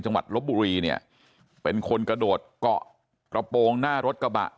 ลบบุรีเนี่ยเป็นคนกระโดดเกาะกระโปรงหน้ารถกระบะ